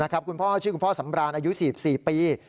คุณพ่อชื่อคุณพ่อสำราญอายุ๔๔ปี